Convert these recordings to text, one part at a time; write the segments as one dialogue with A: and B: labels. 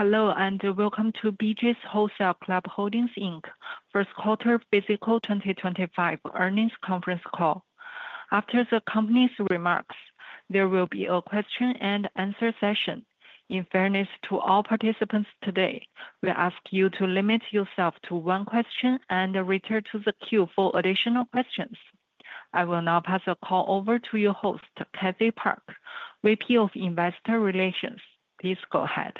A: Hello and welcome to BJ's Wholesale Club Holdings Inc First Quarter Fiscal 2025 Earnings Conference Call. After the company's remarks, there will be a question and answer session. In fairness to all participants today, we ask you to limit yourself to one question and return to the queue for additional questions. I will now pass the call over to your host, Cathy Park, Vice President of Investor Relations. Please go ahead.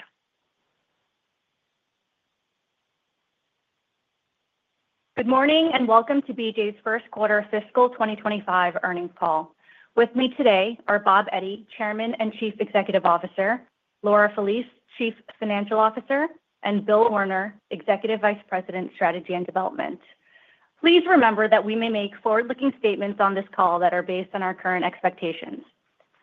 B: Good morning and welcome to BJ's First Quarter Fiscal 2025 Earnings Call. With me today are Bob Eddy, Chairman and Chief Executive Officer, Laura Felice, Chief Financial Officer, and Bill Werner, Executive Vice President, Strategy and Development. Please remember that we may make forward-looking statements on this call that are based on our current expectations.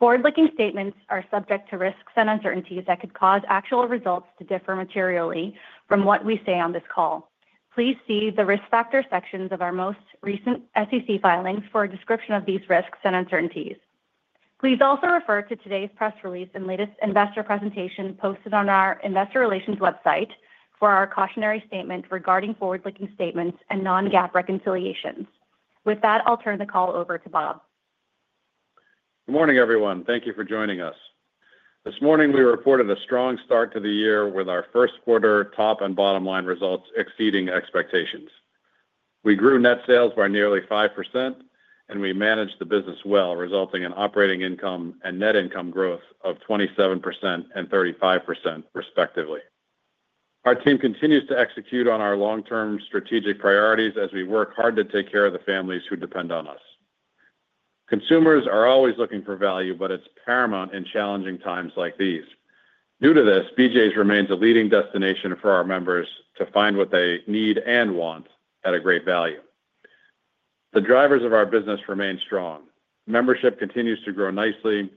B: Forward-looking statements are subject to risks and uncertainties that could cause actual results to differ materially from what we say on this call. Please see the risk factor sections of our most recent SEC filings for a description of these risks and uncertainties. Please also refer to today's press release and latest investor presentation posted on our Investor Relations website for our cautionary statement regarding forward-looking statements and non-GAAP reconciliations. With that, I'll turn the call over to Bob.
C: Good morning, everyone. Thank you for joining us. This morning, we reported a strong start to the year with our first quarter top and bottom line results exceeding expectations. We grew net sales by nearly 5%, and we managed the business well, resulting in operating income and net income growth of 27% and 35%, respectively. Our team continues to execute on our long-term strategic priorities as we work hard to take care of the families who depend on us. Consumers are always looking for value, but it's paramount in challenging times like these. Due to this, BJ's remains a leading destination for our members to find what they need and want at a great value. The drivers of our business remain strong. Membership continues to grow nicely.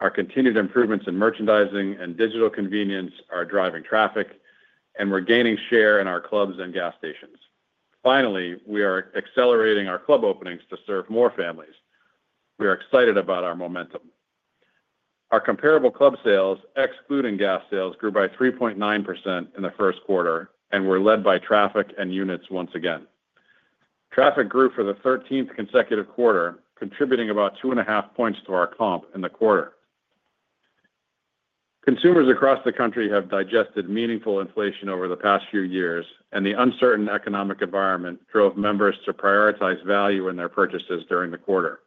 C: Our continued improvements in merchandising and digital convenience are driving traffic, and we're gaining share in our clubs and gas stations. Finally, we are accelerating our club openings to serve more families. We are excited about our momentum. Our comparable club sales, excluding gas sales, grew by 3.9% in the first quarter and were led by traffic and units once again. Traffic grew for the 13th consecutive quarter, contributing about 2.5 points to our comp in the quarter. Consumers across the country have digested meaningful inflation over the past few years, and the uncertain economic environment drove members to prioritize value in their purchases during the quarter.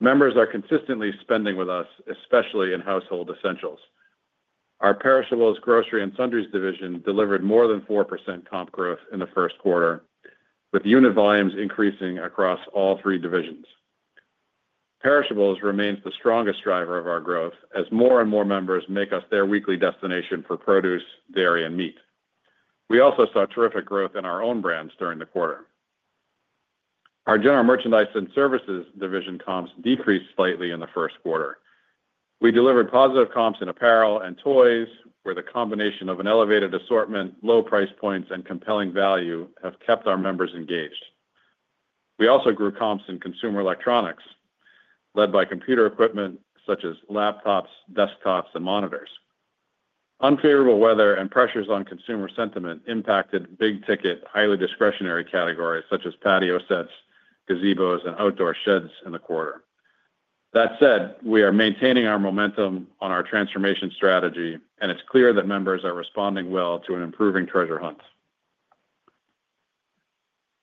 C: Members are consistently spending with us, especially in household essentials. Our perishables, grocery, and sundries division delivered more than 4% comp growth in the first quarter, with unit volumes increasing across all three divisions. Perishables remains the strongest driver of our growth as more and more members make us their weekly destination for produce, dairy, and meat. We also saw terrific growth in our own brands during the quarter. Our general merchandise and services division comps decreased slightly in the first quarter. We delivered positive comps in apparel and toys, where the combination of an elevated assortment, low price points, and compelling value have kept our members engaged. We also grew comps in consumer electronics, led by computer equipment such as laptops, desktops, and monitors. Unfavorable weather and pressures on consumer sentiment impacted big-ticket, highly discretionary categories such as patio sets, gazebos, and outdoor sheds in the quarter. That said, we are maintaining our momentum on our transformation strategy, and it's clear that members are responding well to an improving treasure hunt.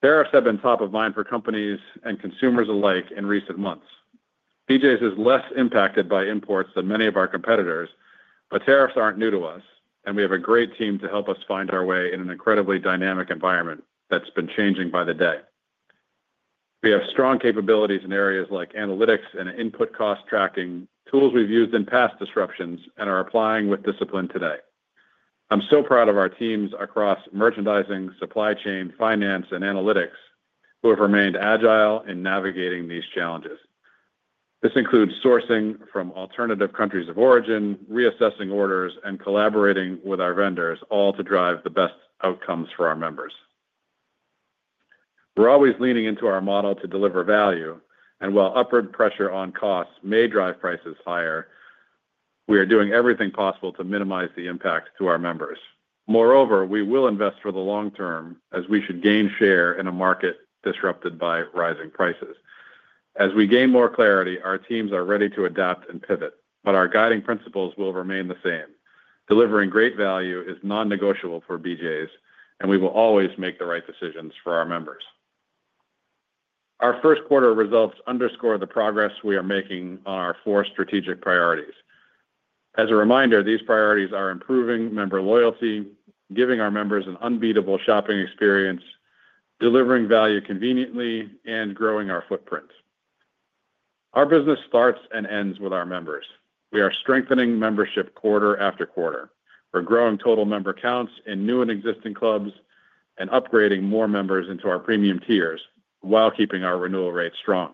C: Tariffs have been top of mind for companies and consumers alike in recent months. BJ's is less impacted by imports than many of our competitors, but tariffs aren't new to us, and we have a great team to help us find our way in an incredibly dynamic environment that's been changing by the day. We have strong capabilities in areas like analytics and input cost tracking, tools we've used in past disruptions, and are applying with discipline today. I'm so proud of our teams across merchandising, supply chain, finance, and analytics who have remained agile in navigating these challenges. This includes sourcing from alternative countries of origin, reassessing orders, and collaborating with our vendors, all to drive the best outcomes for our members. We're always leaning into our model to deliver value, and while upward pressure on costs may drive prices higher, we are doing everything possible to minimize the impact to our members. Moreover, we will invest for the long term as we should gain share in a market disrupted by rising prices. As we gain more clarity, our teams are ready to adapt and pivot, but our guiding principles will remain the same. Delivering great value is non-negotiable for BJ's, and we will always make the right decisions for our members. Our first quarter results underscore the progress we are making on our four strategic priorities. As a reminder, these priorities are improving member loyalty, giving our members an unbeatable shopping experience, delivering value conveniently, and growing our footprint. Our business starts and ends with our members. We are strengthening membership quarter after quarter. We're growing total member counts in new and existing clubs and upgrading more members into our premium tiers while keeping our renewal rate strong.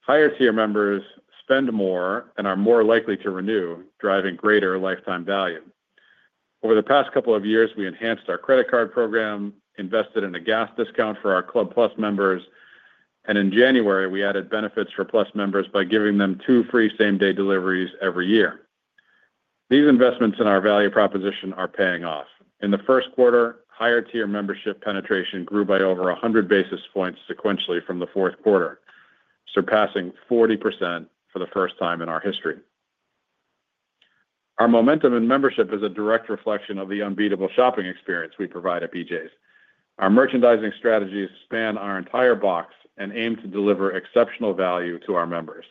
C: Higher tier members spend more and are more likely to renew, driving greater lifetime value. Over the past couple of years, we enhanced our credit card program, invested in a gas discount for our Club Plus members, and in January, we added benefits for Plus members by giving them two free same-day deliveries every year. These investments in our value proposition are paying off. In the first quarter, higher tier membership penetration grew by over 100 basis points sequentially from the fourth quarter, surpassing 40% for the first time in our history. Our momentum in membership is a direct reflection of the unbeatable shopping experience we provide at BJ's. Our merchandising strategies span our entire box and aim to deliver exceptional value to our members.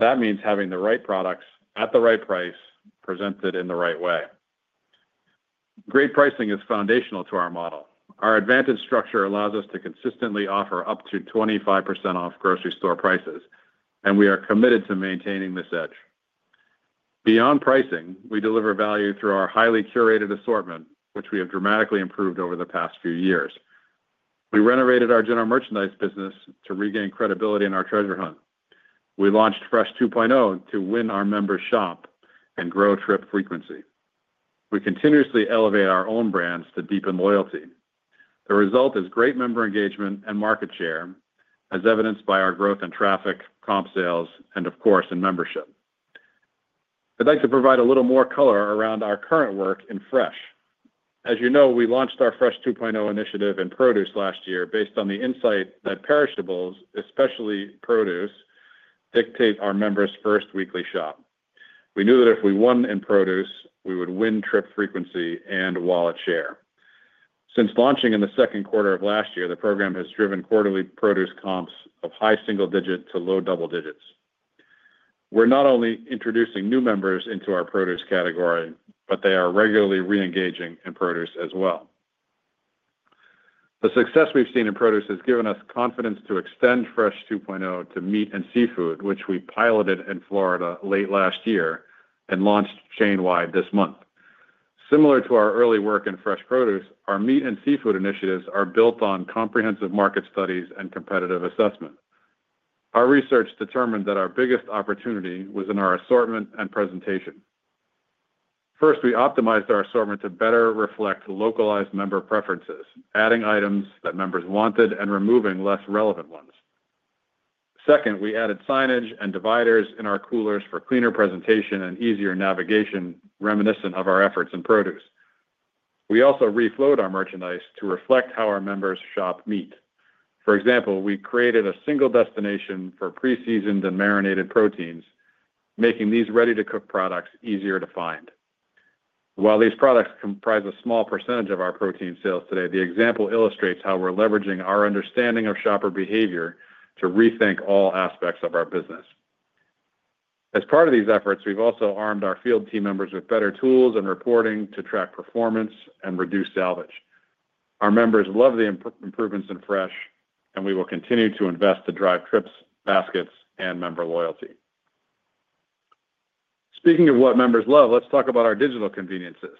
C: That means having the right products at the right price, presented in the right way. Great pricing is foundational to our model. Our advantage structure allows us to consistently offer up to 25% off grocery store prices, and we are committed to maintaining this edge. Beyond pricing, we deliver value through our highly curated assortment, which we have dramatically improved over the past few years. We renovated our general merchandise business to regain credibility in our treasure hunt. We launched Fresh 2.0 to win our members' shop and grow trip frequency. We continuously elevate our own brands to deepen loyalty. The result is great member engagement and market share, as evidenced by our growth in traffic, comp sales, and, of course, in membership. I'd like to provide a little more color around our current work in Fresh. As you know, we launched our Fresh 2.0 initiative in produce last year based on the insight that perishables, especially produce, dictate our members' first weekly shop. We knew that if we won in produce, we would win trip frequency and wallet share. Since launching in the second quarter of last year, the program has driven quarterly produce comps of high single digit to low double digits. We're not only introducing new members into our produce category, but they are regularly re-engaging in produce as well. The success we've seen in produce has given us confidence to extend Fresh 2.0 to meat and seafood, which we piloted in Florida late last year and launched chain-wide this month. Similar to our early work in fresh produce, our meat and seafood initiatives are built on comprehensive market studies and competitive assessment. Our research determined that our biggest opportunity was in our assortment and presentation. First, we optimized our assortment to better reflect localized member preferences, adding items that members wanted and removing less relevant ones. Second, we added signage and dividers in our coolers for cleaner presentation and easier navigation reminiscent of our efforts in produce. We also reflowed our merchandise to reflect how our members shop meat. For example, we created a single destination for pre-seasoned and marinated proteins, making these ready-to-cook products easier to find. While these products comprise a small percentage of our protein sales today, the example illustrates how we're leveraging our understanding of shopper behavior to rethink all aspects of our business. As part of these efforts, we've also armed our field team members with better tools and reporting to track performance and reduce salvage. Our members love the improvements in Fresh, and we will continue to invest to drive trips, baskets, and member loyalty. Speaking of what members love, let's talk about our digital conveniences.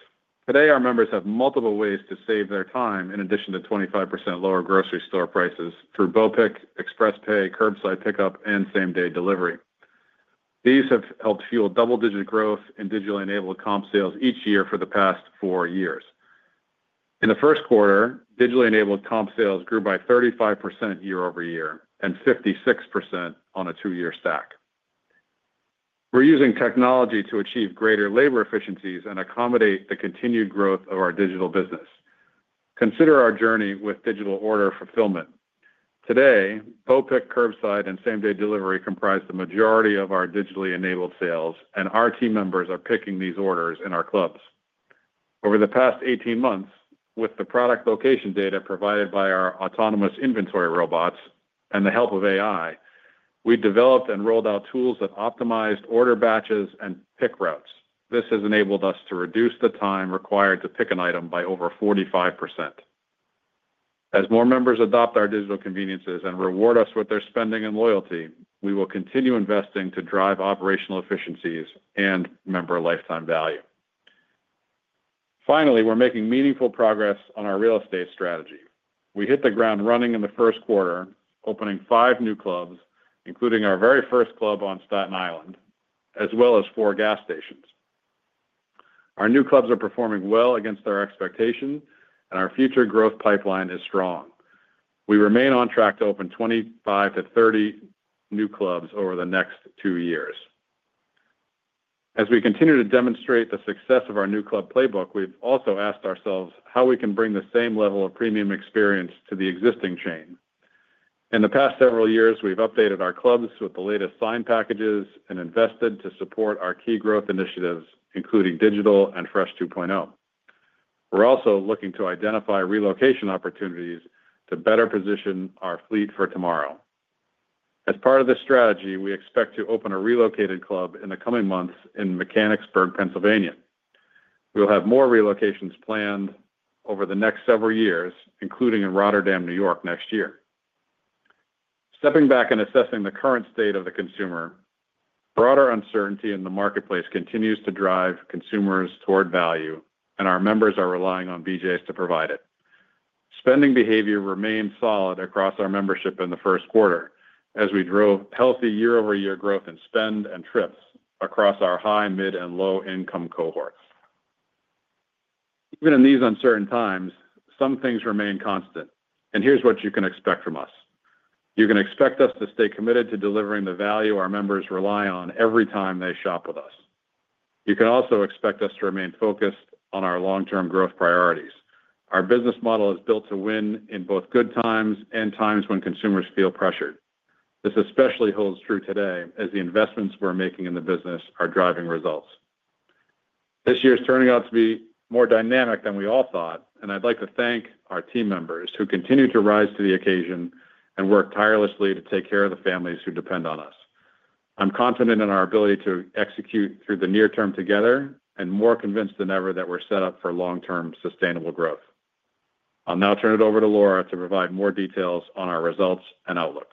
C: Today, our members have multiple ways to save their time in addition to 25% lower grocery store prices through BOPIC, ExpressPay, curbside pickup, and same-day delivery. These have helped fuel double-digit growth in digitally enabled comp sales each year for the past four years. In the first quarter, digitally enabled comp sales grew by 35% year-over-year and 56% on a two-year stack. We're using technology to achieve greater labor efficiencies and accommodate the continued growth of our digital business. Consider our journey with digital order fulfillment. Today, BOPIC, curbside, and same-day delivery comprise the majority of our digitally enabled sales, and our team members are picking these orders in our clubs. Over the past 18 months, with the product location data provided by our autonomous inventory robots and the help of AI, we developed and rolled out tools that optimized order batches and pick routes. This has enabled us to reduce the time required to pick an item by over 45%. As more members adopt our digital conveniences and reward us with their spending and loyalty, we will continue investing to drive operational efficiencies and member lifetime value. Finally, we're making meaningful progress on our real estate strategy. We hit the ground running in the first quarter, opening five new clubs, including our very first club on Staten Island, as well as four gas stations. Our new clubs are performing well against our expectations, and our future growth pipeline is strong. We remain on track to open 25-30 new clubs over the next two years. As we continue to demonstrate the success of our new club playbook, we've also asked ourselves how we can bring the same level of premium experience to the existing chain. In the past several years, we've updated our clubs with the latest sign packages and invested to support our key growth initiatives, including digital and Fresh 2.0. We're also looking to identify relocation opportunities to better position our fleet for tomorrow. As part of this strategy, we expect to open a relocated club in the coming months in Mechanicsburg, Pennsylvania. We'll have more relocations planned over the next several years, including in Rotterdam, New York, next year. Stepping back and assessing the current state of the consumer, broader uncertainty in the marketplace continues to drive consumers toward value, and our members are relying on BJ's to provide it. Spending behavior remained solid across our membership in the first quarter as we drove healthy year-over-year growth in spend and trips across our high, mid, and low-income cohorts. Even in these uncertain times, some things remain constant, and here's what you can expect from us. You can expect us to stay committed to delivering the value our members rely on every time they shop with us. You can also expect us to remain focused on our long-term growth priorities. Our business model is built to win in both good times and times when consumers feel pressured. This especially holds true today as the investments we're making in the business are driving results. This year is turning out to be more dynamic than we all thought, and I'd like to thank our team members who continue to rise to the occasion and work tirelessly to take care of the families who depend on us. I'm confident in our ability to execute through the near term together and more convinced than ever that we're set up for long-term sustainable growth. I'll now turn it over to Laura to provide more details on our results and outlook.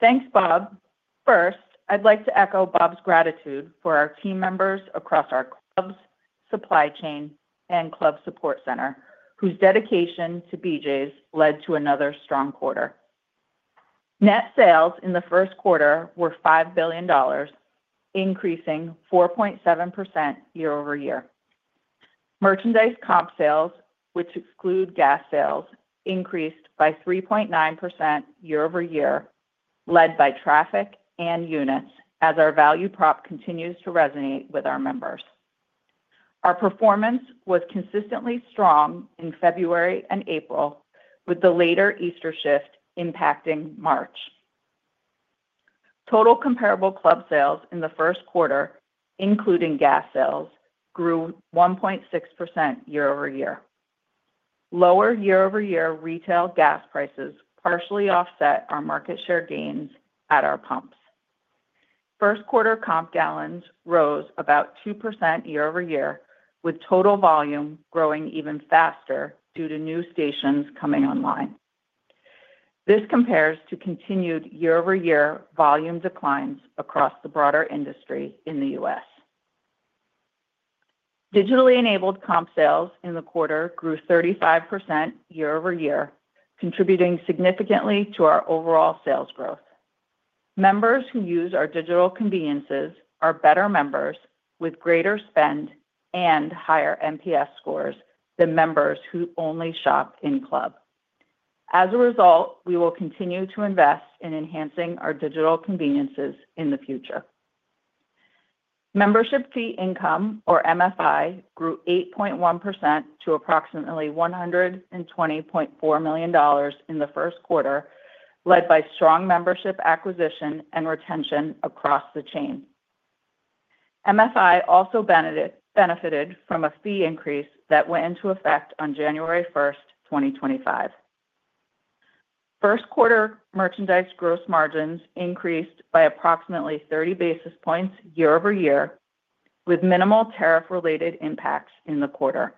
D: Thanks, Bob. First, I'd like to echo Bob's gratitude for our team members across our clubs, supply chain, and club support center, whose dedication to BJ's led to another strong quarter. Net sales in the first quarter were $5 billion, increasing 4.7% year-over-year. Merchandise comp sales, which exclude gas sales, increased by 3.9% year-over-year, led by traffic and units as our value prop continues to resonate with our members. Our performance was consistently strong in February and April, with the later Easter shift impacting March. Total comparable club sales in the first quarter, including gas sales, grew 1.6% year over year. Lower year-over-year retail gas prices partially offset our market share gains at our pumps. First quarter comp gallons rose about 2% year-over-year, with total volume growing even faster due to new stations coming online. This compares to continued year-over-year volume declines across the broader industry in the U.S. Digitally enabled comp sales in the quarter grew 35% year-over-year, contributing significantly to our overall sales growth. Members who use our digital conveniences are better members with greater spend and higher MPS scores than members who only shop in club. As a result, we will continue to invest in enhancing our digital conveniences in the future. Membership fee income, or MFI, grew 8.1% to approximately $120.4 million in the first quarter, led by strong membership acquisition and retention across the chain. MFI also benefited from a fee increase that went into effect on January 1st, 2025. First quarter merchandise gross margins increased by approximately 30 basis points year-over-year, with minimal tariff-related impacts in the quarter.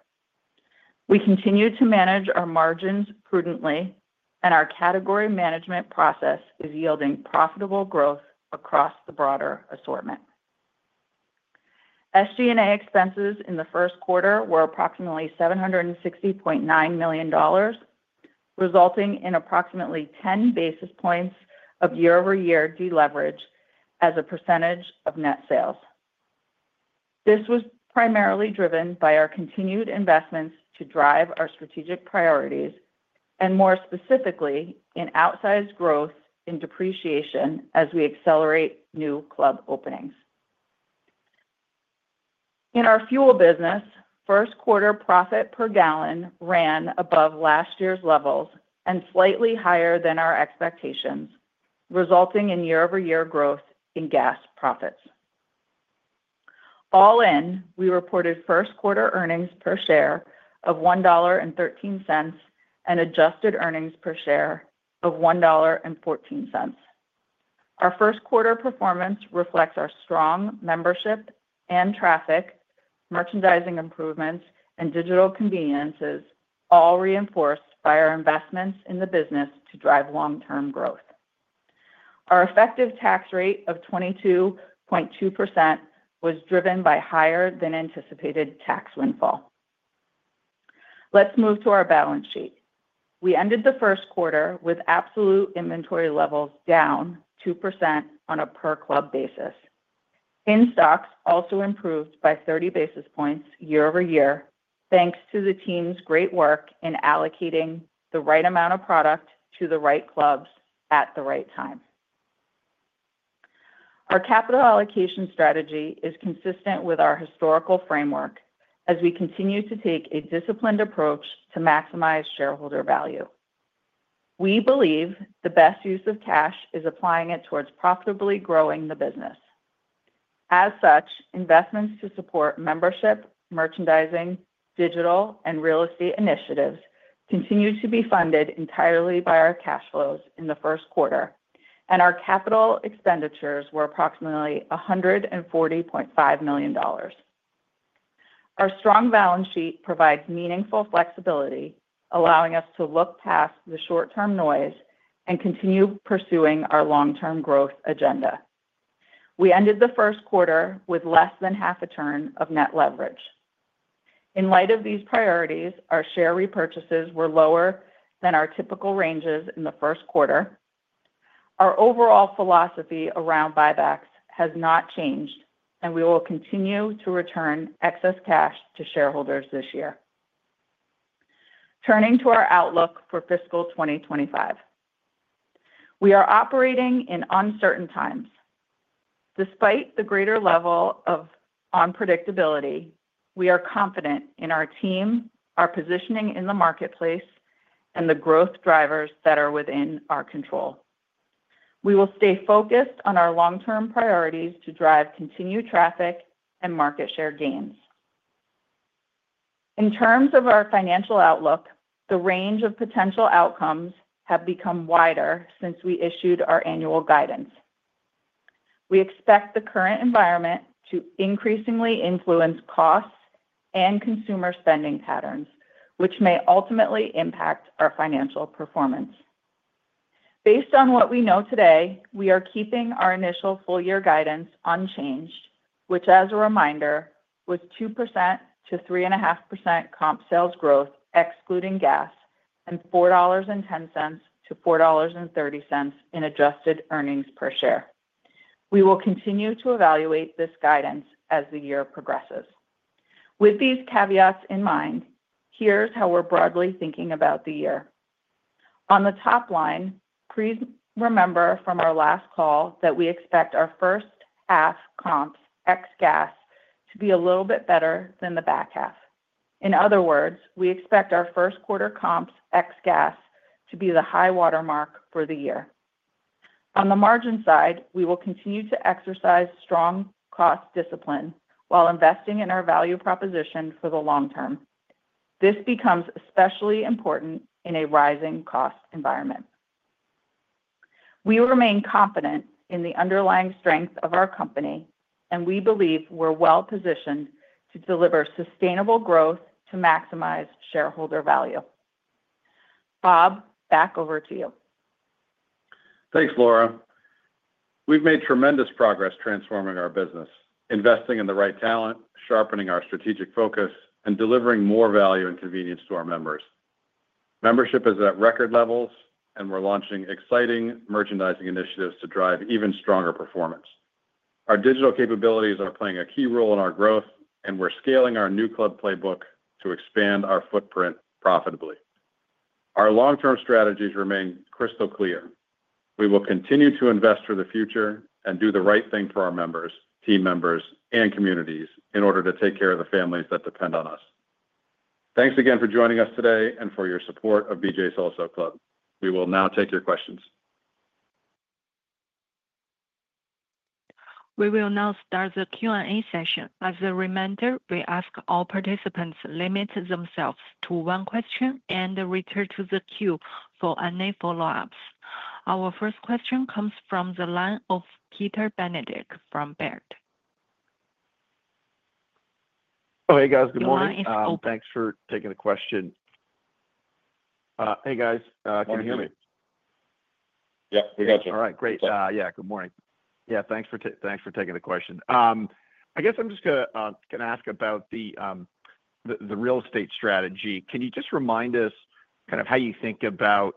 D: We continue to manage our margins prudently, and our category management process is yielding profitable growth across the broader assortment. SG&A expenses in the first quarter were approximately $760.9 million, resulting in approximately 10 basis points of year-over-year deleverage as a percentage of net sales. This was primarily driven by our continued investments to drive our strategic priorities and, more specifically, in outsized growth in depreciation as we accelerate new club openings. In our fuel business, first quarter profit per gallon ran above last year's levels and slightly higher than our expectations, resulting in year-over-year growth in gas profits. All in, we reported first quarter earnings per share of $1.13 and adjusted earnings per share of $1.14. Our first quarter performance reflects our strong membership and traffic, merchandising improvements, and digital conveniences, all reinforced by our investments in the business to drive long-term growth. Our effective tax rate of 22.2% was driven by higher-than-anticipated tax windfall. Let's move to our balance sheet. We ended the first quarter with absolute inventory levels down 2% on a per-club basis. In stocks also improved by 30 basis points year-over-year, thanks to the team's great work in allocating the right amount of product to the right clubs at the right time. Our capital allocation strategy is consistent with our historical framework as we continue to take a disciplined approach to maximize shareholder value. We believe the best use of cash is applying it towards profitably growing the business. As such, investments to support membership, merchandising, digital, and real estate initiatives continued to be funded entirely by our cash flows in the first quarter, and our capital expenditures were approximately $140.5 million. Our strong balance sheet provides meaningful flexibility, allowing us to look past the short-term noise and continue pursuing our long-term growth agenda. We ended the first quarter with less than half a turn of net leverage. In light of these priorities, our share repurchases were lower than our typical ranges in the first quarter. Our overall philosophy around buybacks has not changed, and we will continue to return excess cash to shareholders this year. Turning to our outlook for fiscal 2025, we are operating in uncertain times. Despite the greater level of unpredictability, we are confident in our team, our positioning in the marketplace, and the growth drivers that are within our control. We will stay focused on our long-term priorities to drive continued traffic and market share gains. In terms of our financial outlook, the range of potential outcomes has become wider since we issued our annual guidance. We expect the current environment to increasingly influence costs and consumer spending patterns, which may ultimately impact our financial performance. Based on what we know today, we are keeping our initial full-year guidance unchanged, which, as a reminder, was 2%-3.5% comp sales growth, excluding gas, and $4.10-$4.30 in adjusted earnings per share. We will continue to evaluate this guidance as the year progresses. With these caveats in mind, here's how we're broadly thinking about the year. On the top line, please remember from our last call that we expect our first half comps, ex gas, to be a little bit better than the back half. In other words, we expect our first quarter comps, ex gas, to be the high watermark for the year. On the margin side, we will continue to exercise strong cost discipline while investing in our value proposition for the long term. This becomes especially important in a rising cost environment. We remain confident in the underlying strength of our company, and we believe we're well positioned to deliver sustainable growth to maximize shareholder value. Bob, back over to you.
C: Thanks, Laura. We've made tremendous progress transforming our business, investing in the right talent, sharpening our strategic focus, and delivering more value and convenience to our members. Membership is at record levels, and we're launching exciting merchandising initiatives to drive even stronger performance. Our digital capabilities are playing a key role in our growth, and we're scaling our new club playbook to expand our footprint profitably. Our long-term strategies remain crystal clear. We will continue to invest for the future and do the right thing for our members, team members, and communities in order to take care of the families that depend on us. Thanks again for joining us today and for your support of BJ's Wholesale Club. We will now take your questions.
A: We will now start the Q&A session. As a reminder, we ask all participants to limit themselves to one question and return to the queue for any follow-ups. Our first question comes from the line of Peter Benedict from Baird.
E: Oh, hey, guys. Good morning.
A: The line is open.
E: Thanks for taking the question. Hey, guys. Can you hear me?
C: Yep, we got you.
E: All right. Great. Yeah, good morning. Yeah, thanks for taking the question. I guess I'm just going to ask about the real estate strategy. Can you just remind us kind of how you think about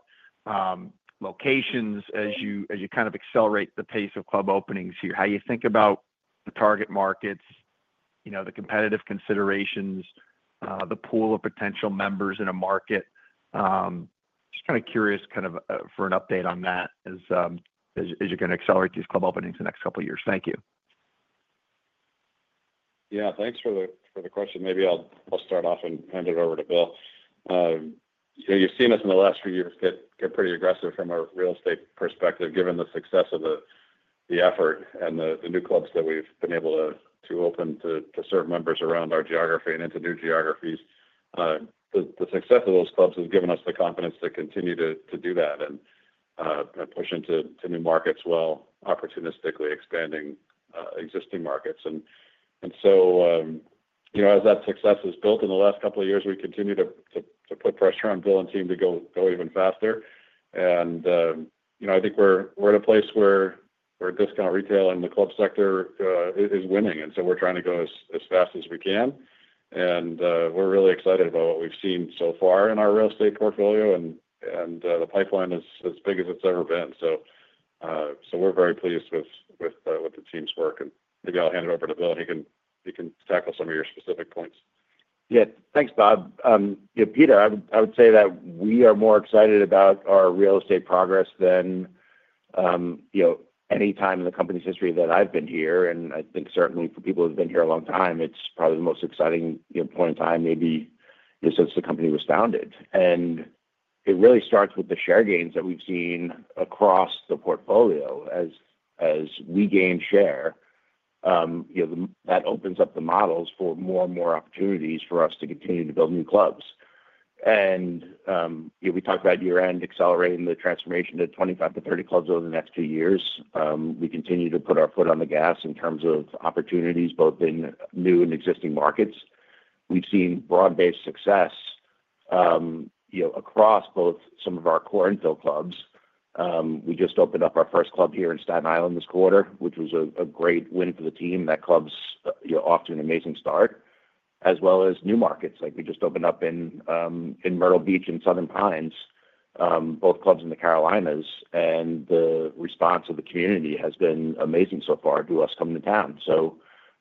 E: locations as you kind of accelerate the pace of club openings here? How do you think about the target markets, the competitive considerations, the pool of potential members in a market? Just kind of curious kind of for an update on that as you're going to accelerate these club openings in the next couple of years. Thank you.
C: Yeah, thanks for the question. Maybe I'll start off and hand it over to Bill. You've seen us in the last few years get pretty aggressive from a real estate perspective, given the success of the effort and the new clubs that we've been able to open to serve members around our geography and into new geographies. The success of those clubs has given us the confidence to continue to do that and push into new markets while opportunistically expanding existing markets. As that success has built in the last couple of years, we continue to put pressure on Bill and team to go even faster. I think we're at a place where discount retail in the club sector is winning, and we're trying to go as fast as we can. We're really excited about what we've seen so far in our real estate portfolio, and the pipeline is as big as it's ever been. We are very pleased with the team's work. Maybe I'll hand it over to Bill, and he can tackle some of your specific points.
F: Yeah, thanks, Bob. Peter, I would say that we are more excited about our real estate progress than any time in the company's history that I've been here. I think certainly for people who've been here a long time, it's probably the most exciting point in time maybe since the company was founded. It really starts with the share gains that we've seen across the portfolio. As we gain share, that opens up the models for more and more opportunities for us to continue to build new clubs. We talked about year-end accelerating the transformation to 25-30 clubs over the next two years. We continue to put our foot on the gas in terms of opportunities both in new and existing markets. We've seen broad-based success across both some of our core infill clubs. We just opened up our first club here in Staten Island this quarter, which was a great win for the team. That club's off to an amazing start, as well as new markets. We just opened up in Myrtle Beach and Southern Pines, both clubs in the Carolinas. The response of the community has been amazing so far to us coming to town.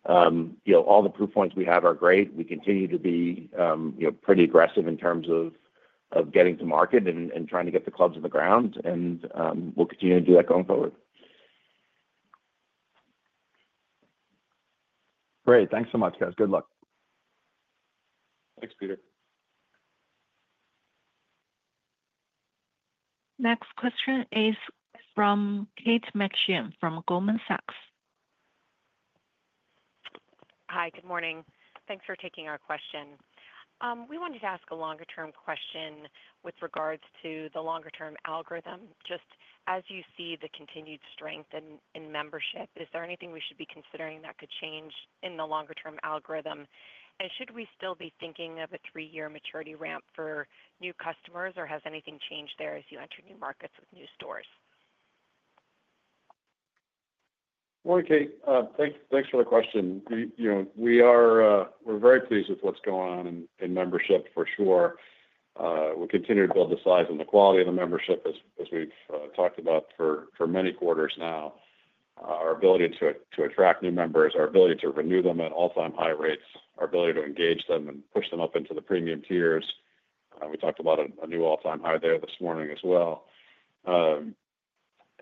F: All the proof points we have are great. We continue to be pretty aggressive in terms of getting to market and trying to get the clubs on the ground. We will continue to do that going forward.
E: Great. Thanks so much, guys. Good luck.
F: Thanks, Peter.
A: Next question is from Kate McShane from Goldman Sachs.
G: Hi, good morning. Thanks for taking our question. We wanted to ask a longer-term question with regards to the longer-term algorithm. Just as you see the continued strength in membership, is there anything we should be considering that could change in the longer-term algorithm? Should we still be thinking of a three-year maturity ramp for new customers, or has anything changed there as you enter new markets with new stores?
C: Morning, Kate. Thanks for the question. We're very pleased with what's going on in membership, for sure. We continue to build the size and the quality of the membership, as we've talked about for many quarters now. Our ability to attract new members, our ability to renew them at all-time high rates, our ability to engage them and push them up into the premium tiers. We talked about a new all-time high there this morning as well.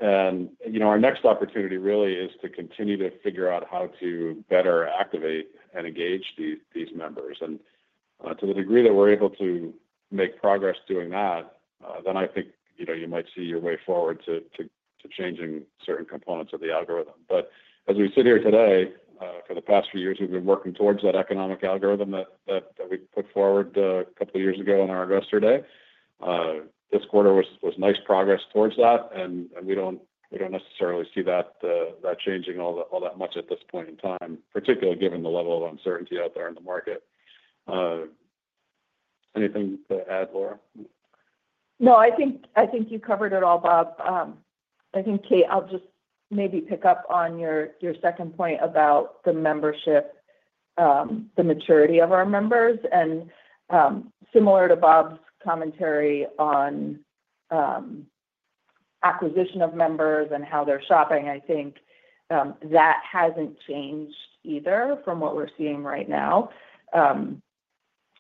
C: Our next opportunity really is to continue to figure out how to better activate and engage these members. To the degree that we're able to make progress doing that, I think you might see your way forward to changing certain components of the algorithm. As we sit here today, for the past few years, we've been working towards that economic algorithm that we put forward a couple of years ago on our investor day. This quarter was nice progress towards that, and we do not necessarily see that changing all that much at this point in time, particularly given the level of uncertainty out there in the market. Anything to add, Laura?
D: No, I think you covered it all, Bob. I think, Kate, I'll just maybe pick up on your second point about the membership, the maturity of our members. Similar to Bob's commentary on acquisition of members and how they're shopping, I think that has not changed either from what we're seeing right now.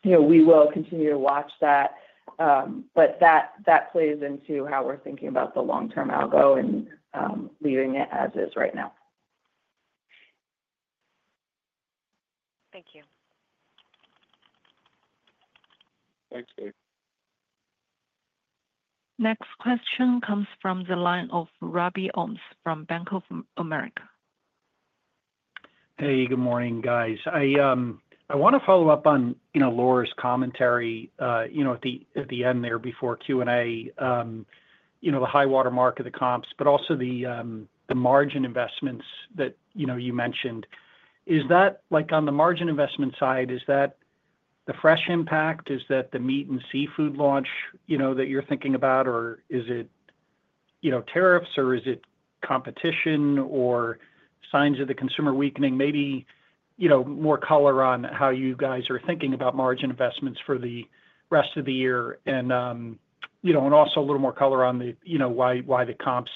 D: We will continue to watch that, but that plays into how we're thinking about the long-term algo and leaving it as is right now.
G: Thank you.
C: Thanks, Kate.
A: Next question comes from the line of Robby Ohmes from Bank of America.
H: Hey, good morning, guys. I want to follow up on Laura's commentary at the end there before Q&A, the high watermark of the comps, but also the margin investments that you mentioned. On the margin investment side, is that the fresh impact? Is that the meat and seafood launch that you're thinking about, or is it tariffs, or is it competition, or signs of the consumer weakening? Maybe more color on how you guys are thinking about margin investments for the rest of the year, and also a little more color on why the comps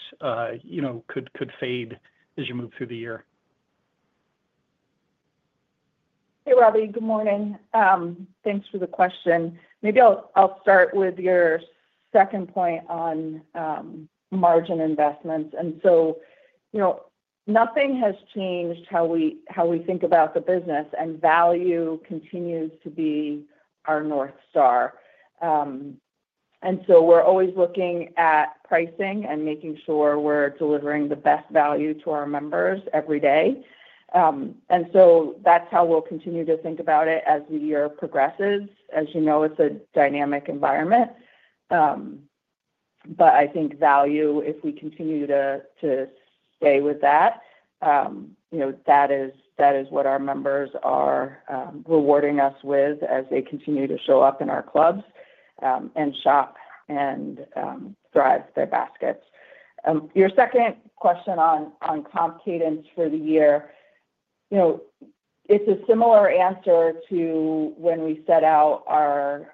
H: could fade as you move through the year.
D: Hey, Robby, good morning. Thanks for the question. Maybe I'll start with your second point on margin investments. Nothing has changed how we think about the business, and value continues to be our North Star. We're always looking at pricing and making sure we're delivering the best value to our members every day. That's how we'll continue to think about it as the year progresses. As you know, it's a dynamic environment. I think value, if we continue to stay with that, that is what our members are rewarding us with as they continue to show up in our clubs and shop and thrive their baskets. Your second question on comp cadence for the year, it's a similar answer to when we set out our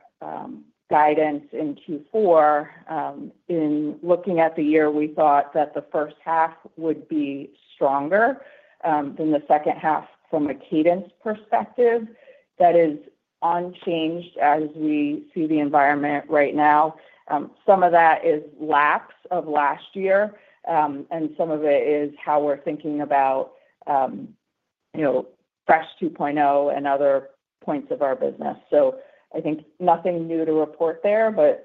D: guidance in Q4. In looking at the year, we thought that the first half would be stronger than the second half from a cadence perspective. That is unchanged as we see the environment right now. Some of that is laps of last year, and some of it is how we're thinking about Fresh 2.0 and other points of our business. I think nothing new to report there, but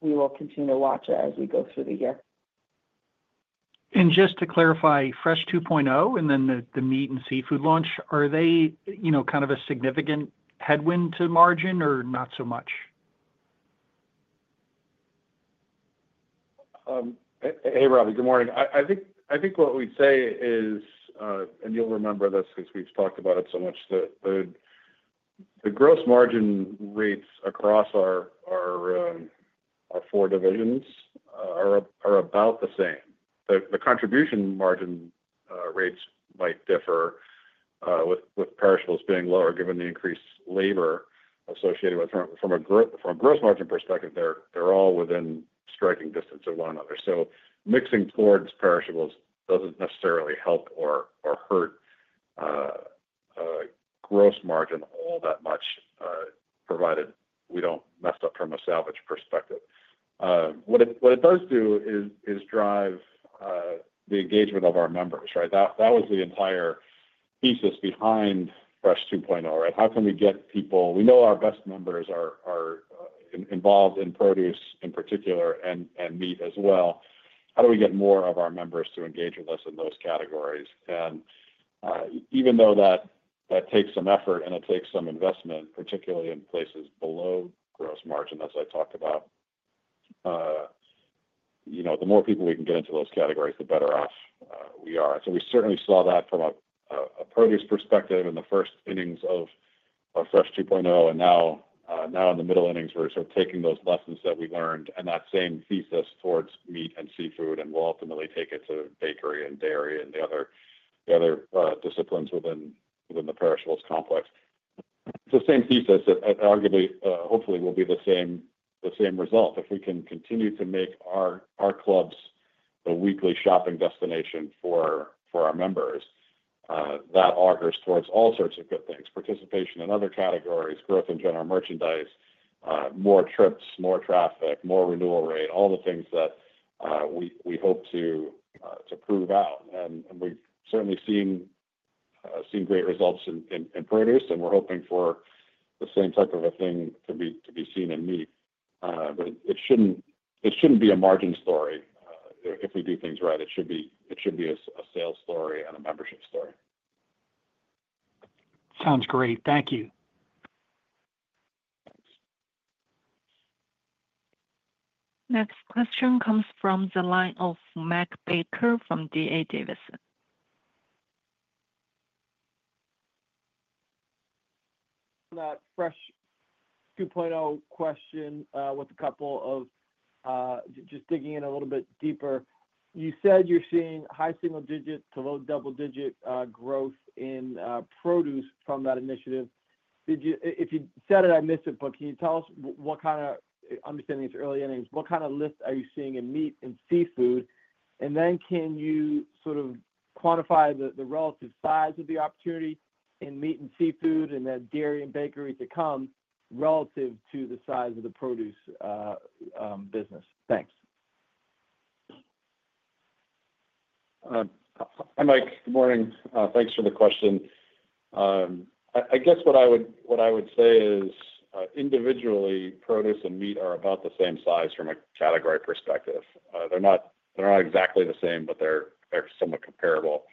D: we will continue to watch it as we go through the year.
H: Just to clarify, Fresh 2.0 and then the meat and seafood launch, are they kind of a significant headwind to margin or not so much?
C: Hey, Robby, good morning. I think what we'd say is, and you'll remember this because we've talked about it so much, that the gross margin rates across our four divisions are about the same. The contribution margin rates might differ, with perishables being lower given the increased labor associated with them. From a gross margin perspective, they're all within striking distance of one another. Mixing towards perishables doesn't necessarily help or hurt gross margin all that much, provided we don't mess up from a salvage perspective. What it does do is drive the engagement of our members, right? That was the entire thesis behind Fresh 2.0, right? How can we get people? We know our best members are involved in produce in particular and meat as well. How do we get more of our members to engage with us in those categories? Even though that takes some effort and it takes some investment, particularly in places below gross margin, as I talked about, the more people we can get into those categories, the better off we are. We certainly saw that from a produce perspective in the first innings of Fresh 2.0, and now in the middle innings, we're sort of taking those lessons that we learned and that same thesis towards meat and seafood, and we'll ultimately take it to bakery and dairy and the other disciplines within the perishables complex. It's the same thesis that arguably, hopefully, will be the same result. If we can continue to make our clubs a weekly shopping destination for our members, that augers towards all sorts of good things: participation in other categories, growth in general merchandise, more trips, more traffic, more renewal rate, all the things that we hope to prove out. We have certainly seen great results in produce, and we're hoping for the same type of a thing to be seen in meat. It shouldn't be a margin story if we do things right. It should be a sales story and a membership story.
H: Sounds great. Thank you.
A: Thanks. Next question comes from the line of Mikel Baker from D.A. Davidson.
I: That Fresh 2.0 question with a couple of just digging in a little bit deeper. You said you're seeing high single-digit to low double-digit growth in produce from that initiative. If you said it, I missed it, but can you tell us what kind of—I'm just saying it's early innings—what kind of lift are you seeing in meat and seafood? And then can you sort of quantify the relative size of the opportunity in meat and seafood and then dairy and bakery to come relative to the size of the produce business? Thanks.
C: Hi, Mike. Good morning. Thanks for the question. I guess what I would say is, individually, produce and meat are about the same size from a category perspective. They're not exactly the same, but they're somewhat comparable.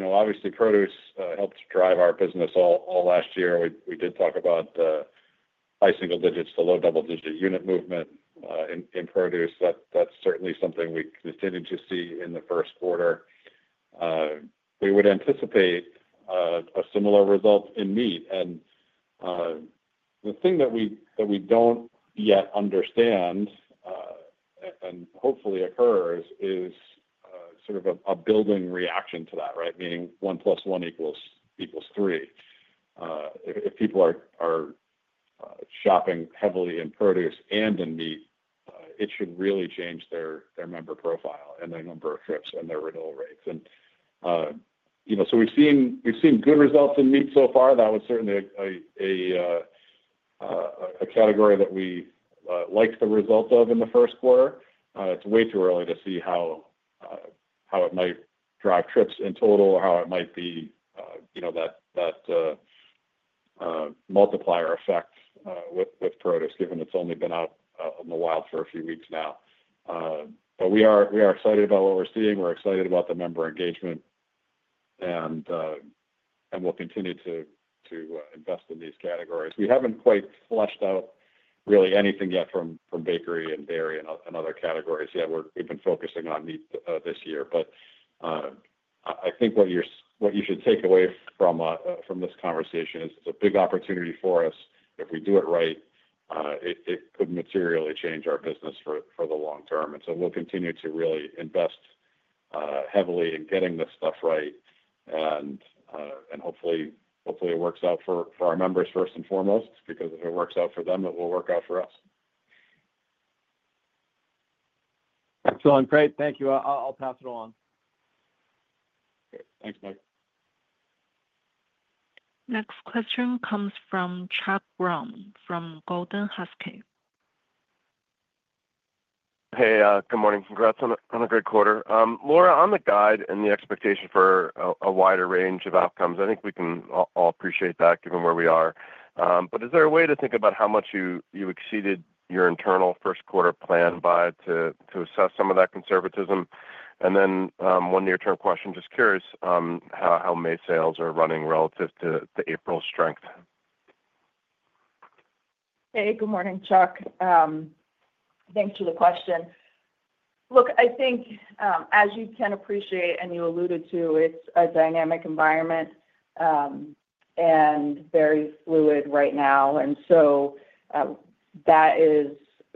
C: Obviously, produce helped drive our business all last year. We did talk about high single-digit to low double-digit unit movement in produce. That's certainly something we continue to see in the first quarter. We would anticipate a similar result in meat. The thing that we don't yet understand and hopefully occurs is sort of a building reaction to that, right? Meaning one plus one equals three. If people are shopping heavily in produce and in meat, it should really change their member profile and their number of trips and their renewal rates. We've seen good results in meat so far. That was certainly a category that we liked the result of in the first quarter. It's way too early to see how it might drive trips in total or how it might be that multiplier effect with produce, given it's only been out in the wild for a few weeks now. We are excited about what we're seeing. We're excited about the member engagement, and we'll continue to invest in these categories. We haven't quite flushed out really anything yet from bakery and dairy and other categories yet. We've been focusing on meat this year. I think what you should take away from this conversation is it's a big opportunity for us. If we do it right, it could materially change our business for the long term. We'll continue to really invest heavily in getting this stuff right. Hopefully, it works out for our members first and foremost, because if it works out for them, it will work out for us.
I: Excellent. Great. Thank you. I'll pass it along.
C: Great. Thanks, Mike.
A: Next question comes from Chuck Grom from Gordon Haskett.
J: Hey, good morning. Congrats on a great quarter. Laura, on the guide and the expectation for a wider range of outcomes, I think we can all appreciate that given where we are. Is there a way to think about how much you exceeded your internal first-quarter plan by to assess some of that conservatism? One near-term question, just curious how May sales are running relative to April strength.
D: Hey, good morning, Chuck. Thanks for the question. Look, I think, as you can appreciate and you alluded to, it's a dynamic environment and very fluid right now. That is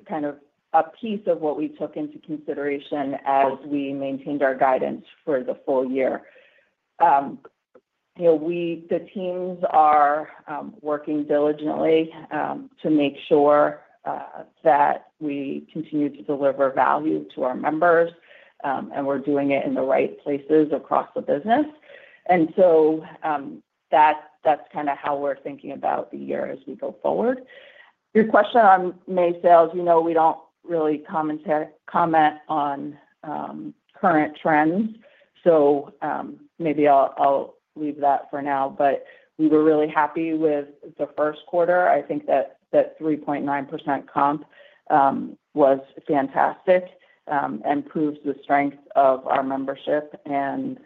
D: kind of a piece of what we took into consideration as we maintained our guidance for the full year. The teams are working diligently to make sure that we continue to deliver value to our members, and we are doing it in the right places across the business. That is kind of how we are thinking about the year as we go forward. Your question on May sales, we do not really comment on current trends. Maybe I will leave that for now. We were really happy with the first quarter. I think that 3.9% comp was fantastic and proves the strength of our membership and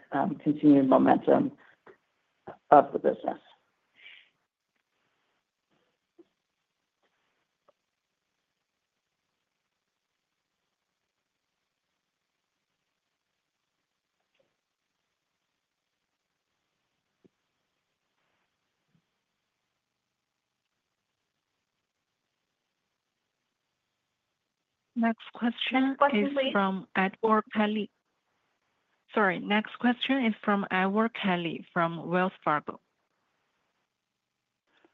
D: continued momentum of the business.
A: Next question is from Edward Kelly. Sorry. Next question is from Edward Kelly from Wells Fargo.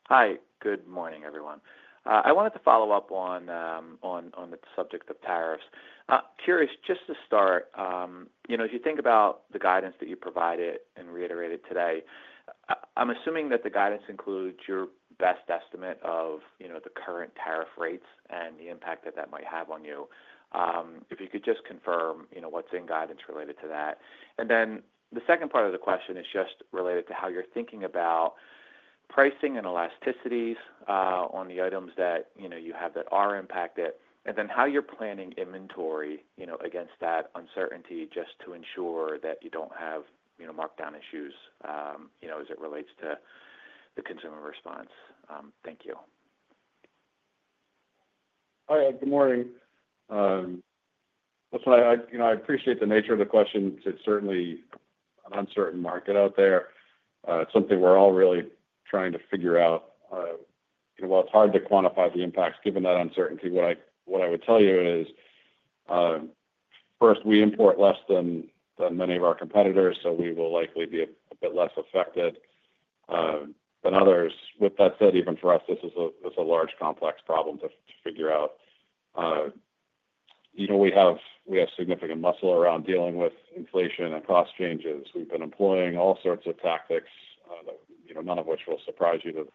K: Hi. Good morning, everyone. I wanted to follow up on the subject of tariffs. Curious, just to start, if you think about the guidance that you provided and reiterated today, I'm assuming that the guidance includes your best estimate of the current tariff rates and the impact that that might have on you. If you could just confirm what's in guidance related to that. The second part of the question is just related to how you're thinking about pricing and elasticities on the items that you have that are impacted, and then how you're planning inventory against that uncertainty just to ensure that you don't have markdown issues as it relates to the consumer response. Thank you.
C: All right. Good morning. I appreciate the nature of the question. It's certainly an uncertain market out there. It's something we're all really trying to figure out. While it's hard to quantify the impacts given that uncertainty, what I would tell you is, first, we import less than many of our competitors, so we will likely be a bit less affected than others. With that said, even for us, this is a large, complex problem to figure out. We have significant muscle around dealing with inflation and cost changes. We've been employing all sorts of tactics, none of which will surprise you,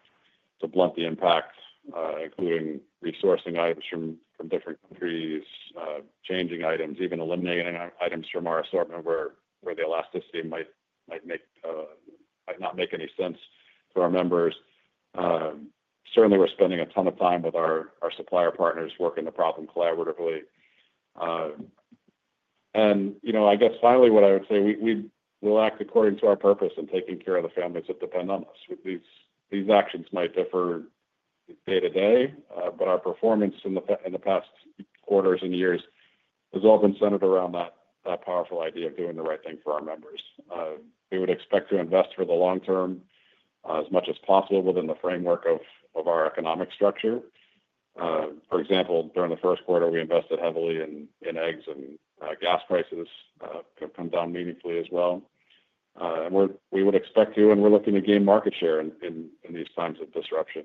C: to blunt the impact, including resourcing items from different countries, changing items, even eliminating items from our assortment where the elasticity might not make any sense for our members. Certainly, we're spending a ton of time with our supplier partners working the problem collaboratively. I guess, finally, what I would say, we'll act according to our purpose in taking care of the families that depend on us. These actions might differ day to day, but our performance in the past quarters and years has all been centered around that powerful idea of doing the right thing for our members. We would expect to invest for the long term as much as possible within the framework of our economic structure. For example, during the first quarter, we invested heavily in eggs and gas prices that have come down meaningfully as well. We would expect to, and we're looking to gain market share in these times of disruption.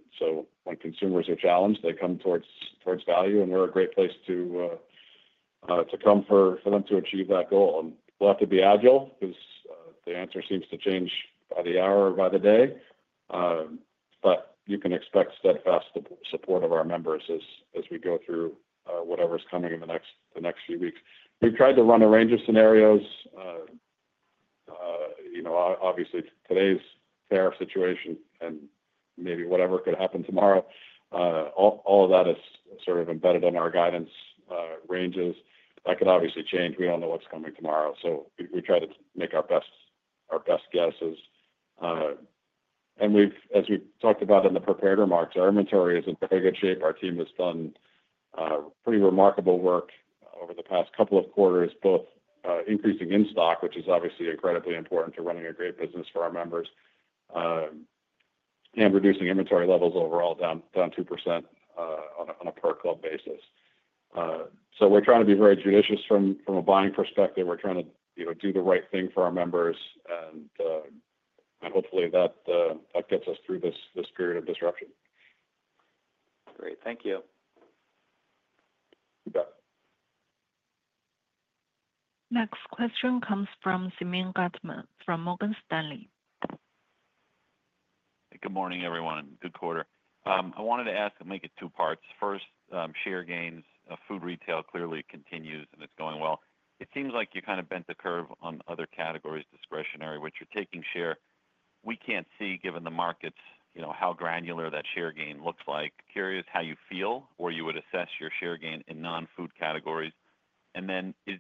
C: When consumers are challenged, they come towards value, and we're a great place to come for them to achieve that goal. We'll have to be agile because the answer seems to change by the hour or by the day. You can expect steadfast support of our members as we go through whatever's coming in the next few weeks. We've tried to run a range of scenarios. Obviously, today's tariff situation and maybe whatever could happen tomorrow, all of that is sort of embedded in our guidance ranges. That could obviously change. We don't know what's coming tomorrow. We try to make our best guesses. As we've talked about in the prepared remarks, our inventory is in very good shape. Our team has done pretty remarkable work over the past couple of quarters, both increasing in stock, which is obviously incredibly important to running a great business for our members, and reducing inventory levels overall down 2% on a per club basis. We are trying to be very judicious from a buying perspective. We're trying to do the right thing for our members, and hopefully, that gets us through this period of disruption.
K: Great. Thank you.
C: You bet.
A: Next question comes from Simeon Gutman from Morgan Stanley.
L: Good morning, everyone. Good quarter. I wanted to ask and make it two parts. First, share gains. Food retail clearly continues, and it's going well. It seems like you kind of bent the curve on other categories' discretionary, which are taking share. We can't see, given the markets, how granular that share gain looks like. Curious how you feel or you would assess your share gain in non-food categories. And then, is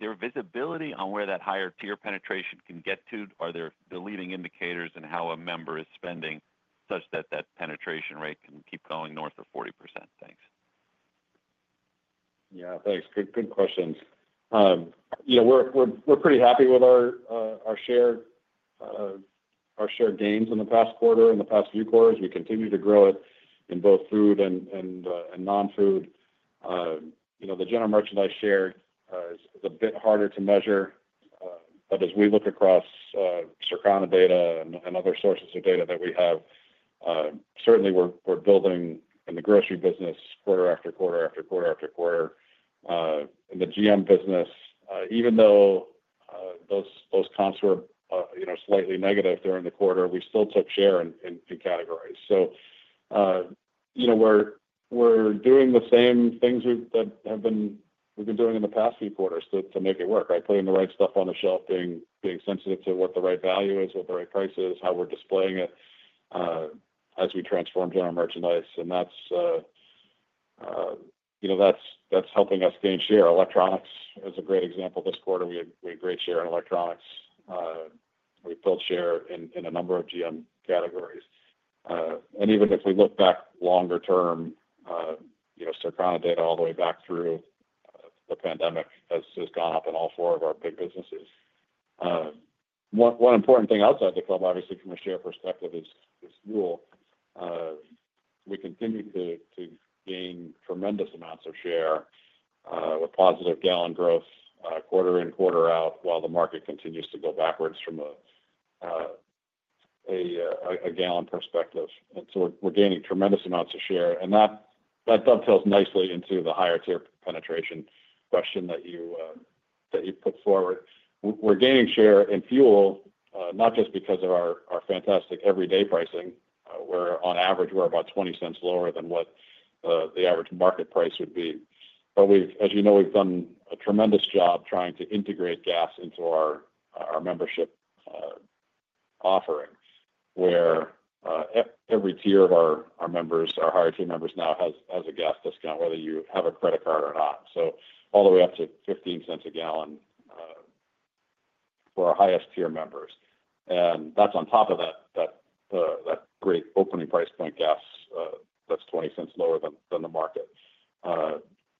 L: there visibility on where that higher tier penetration can get to? Are there leading indicators in how a member is spending such that that penetration rate can keep going north of 40%? Thanks.
C: Yeah. Thanks. Good questions. We're pretty happy with our share gains in the past quarter, in the past few quarters. We continue to grow it in both food and non-food. The general merchandise share is a bit harder to measure. As we look across Circana data and other sources of data that we have, certainly, we're building in the grocery business quarter after quarter after quarter. In the GM business, even though those comps were slightly negative during the quarter, we still took share in categories. We're doing the same things that we've been doing in the past few quarters to make it work, right? Putting the right stuff on the shelf, being sensitive to what the right value is, what the right price is, how we're displaying it as we transform general merchandise. That's helping us gain share. Electronics is a great example. This quarter, we had great share in electronics. We've built share in a number of GM categories. Even if we look back longer term, Circana data all the way back through the pandemic has gone up in all four of our big businesses. One important thing outside the club, obviously, from a share perspective, is fuel. We continue to gain tremendous amounts of share with positive gallon growth quarter in, quarter out, while the market continues to go backwards from a gallon perspective. We're gaining tremendous amounts of share. That dovetails nicely into the higher tier penetration question that you put forward. We're gaining share in fuel not just because of our fantastic everyday pricing, where on average, we're about $0.20 lower than what the average market price would be. As you know, we've done a tremendous job trying to integrate gas into our membership offering, where every tier of our members, our higher tier members now, has a gas discount, whether you have a credit card or not. All the way up to $0.15 a gallon for our highest tier members. That is on top of that great opening price point gas that is $0.20 lower than the market.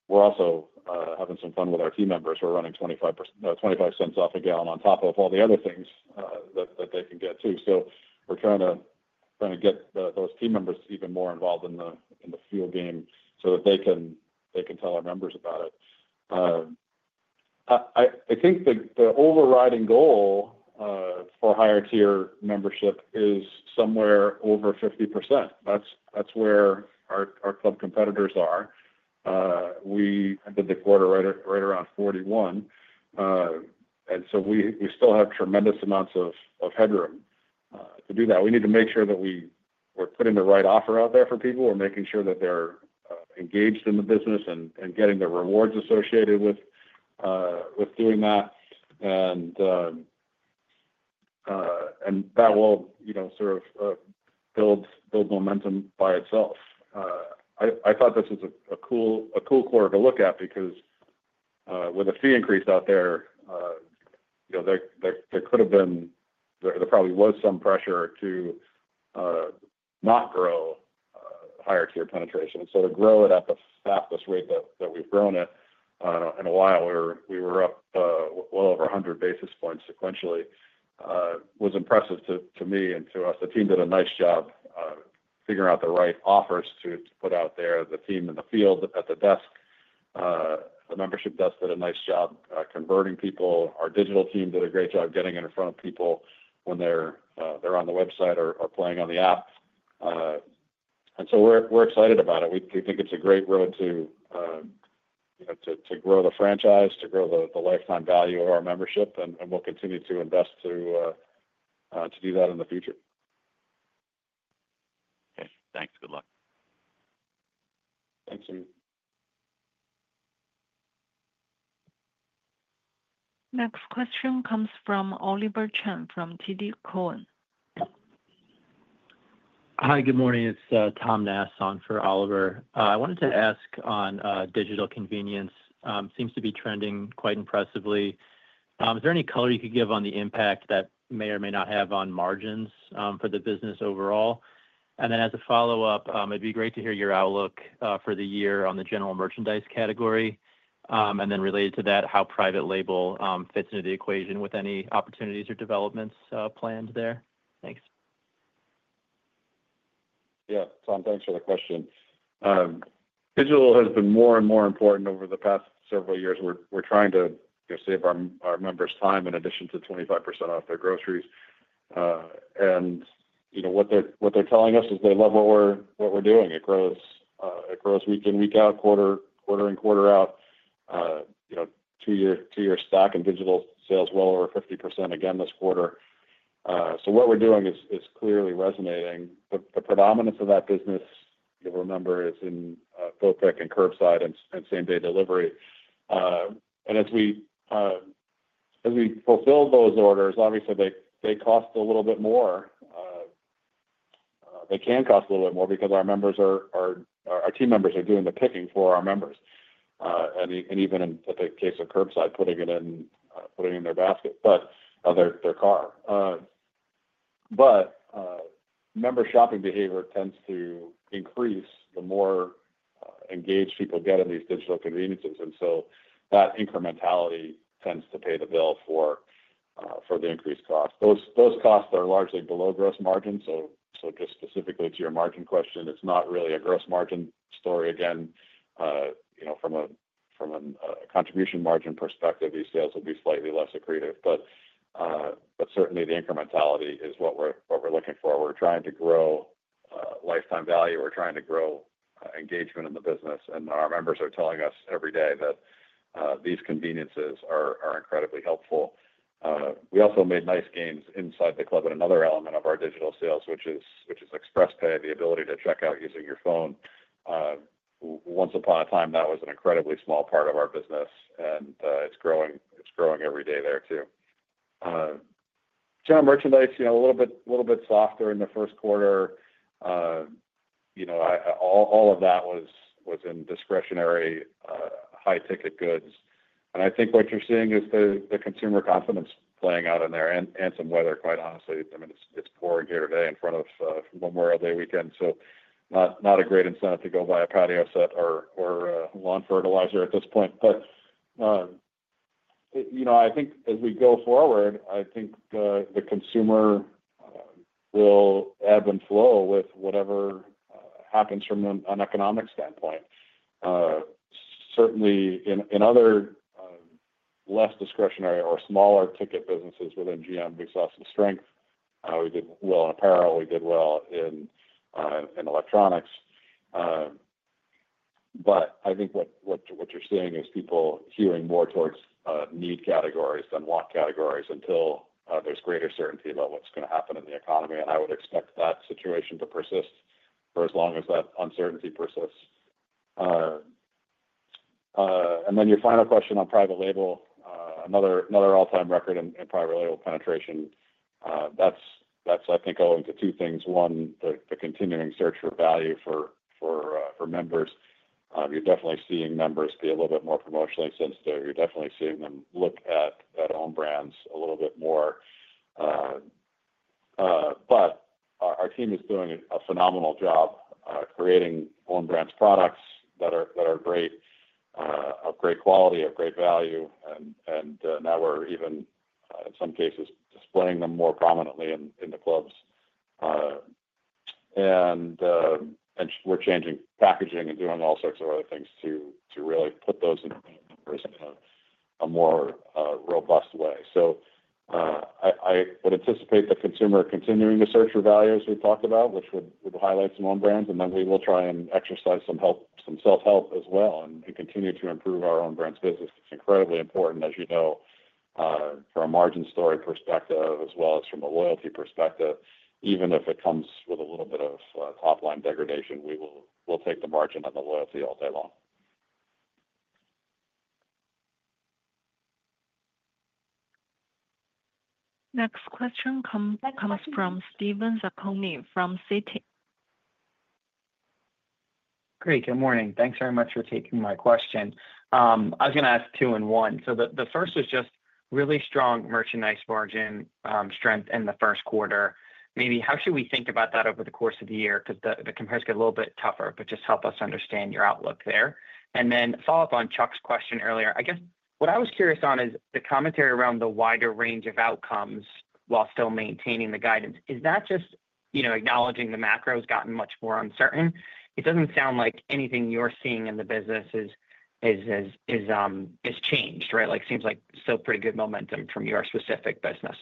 C: We are also having some fun with our team members. We are running $0.25 off a gallon on top of all the other things that they can get too. We are trying to get those team members even more involved in the fuel game so that they can tell our members about it. I think the overriding goal for higher tier membership is somewhere over 50%. That is where our club competitors are. We ended the quarter right around 41. We still have tremendous amounts of headroom to do that. We need to make sure that we are putting the right offer out there for people. We are making sure that they are engaged in the business and getting the rewards associated with doing that. That will sort of build momentum by itself. I thought this was a cool quarter to look at because with a fee increase out there, there could have been, there probably was, some pressure to not grow higher tier penetration. To grow it at the fastest rate that we have grown it in a while, where we were up well over 100 basis points sequentially, was impressive to me and to us. The team did a nice job figuring out the right offers to put out there. The team in the field at the desk, the membership desk, did a nice job converting people. Our digital team did a great job getting in front of people when they're on the website or playing on the app. We are excited about it. We think it's a great road to grow the franchise, to grow the lifetime value of our membership. We will continue to invest to do that in the future.
L: Okay. Thanks. Good luck.
C: Thanks, Ziming.
A: Next question comes from Oliver Chen from TD Cowen.
M: Hi. Good morning. It's Tom Nass on for Oliver. I wanted to ask on digital convenience. Seems to be trending quite impressively. Is there any color you could give on the impact that may or may not have on margins for the business overall? And then as a follow-up, it'd be great to hear your outlook for the year on the general merchandise category. And then related to that, how private label fits into the equation with any opportunities or developments planned there? Thanks.
C: Yeah. Tom, thanks for the question. Digital has been more and more important over the past several years. We're trying to save our members time in addition to 25% off their groceries. What they're telling us is they love what we're doing. It grows week in, week out, quarter in, quarter out. Two-year stock and digital sales well over 50% again this quarter. What we're doing is clearly resonating. The predominance of that business, you'll remember, is in food pick and curbside and same-day delivery. As we fulfill those orders, obviously, they cost a little bit more. They can cost a little bit more because our team members are doing the picking for our members. And even in the case of curbside, putting it in their basket, but their car. Member shopping behavior tends to increase the more engaged people get in these digital conveniences. That incrementality tends to pay the bill for the increased cost. Those costs are largely below gross margin. Just specifically to your margin question, it's not really a gross margin story. Again, from a contribution margin perspective, these sales will be slightly less accretive. Certainly, the incrementality is what we're looking for. We're trying to grow lifetime value. We're trying to grow engagement in the business. Our members are telling us every day that these conveniences are incredibly helpful. We also made nice gains inside the club in another element of our digital sales, which is ExpressPay, the ability to check out using your phone. Once upon a time, that was an incredibly small part of our business. It is growing every day there too. General merchandise, a little bit softer in the first quarter. All of that was in discretionary high-ticket goods. I think what you are seeing is the consumer confidence playing out in there and some weather, quite honestly. I mean, it is pouring here today in front of Memorial Day weekend. Not a great incentive to go buy a patio set or lawn fertilizer at this point. I think as we go forward, the consumer will ebb and flow with whatever happens from an economic standpoint. Certainly, in other less discretionary or smaller ticket businesses within GM, we saw some strength. We did well in apparel. We did well in electronics. I think what you're seeing is people hewing more towards need categories than want categories until there's greater certainty about what's going to happen in the economy. I would expect that situation to persist for as long as that uncertainty persists. Your final question on private label, another all-time record in private label penetration. That's, I think, owing to two things. One, the continuing search for value for members. You're definitely seeing members be a little bit more promotionally sensitive. You're definitely seeing them look at own brands a little bit more. Our team is doing a phenomenal job creating own brands products that are great, of great quality, of great value. Now we're even, in some cases, displaying them more prominently in the clubs. We're changing packaging and doing all sorts of other things to really put those in a more robust way. I would anticipate the consumer continuing to search for value, as we've talked about, which would highlight some own brands. We will try and exercise some self-help as well and continue to improve our own brands business. It's incredibly important, as you know, from a margin story perspective as well as from a loyalty perspective. Even if it comes with a little bit of top-line degradation, we'll take the margin on the loyalty all day long.
A: Next question comes from Steven Zaccone from Citi.
N: Great. Good morning. Thanks very much for taking my question. I was going to ask two in one. The first is just really strong merchandise margin strength in the first quarter. Maybe how should we think about that over the course of the year? Because the comparison got a little bit tougher, but just help us understand your outlook there. Then follow-up on Chuck's question earlier. I guess what I was curious on is the commentary around the wider range of outcomes while still maintaining the guidance. Is that just acknowledging the macro has gotten much more uncertain? It does not sound like anything you are seeing in the business has changed, right? Seems like still pretty good momentum from your specific business.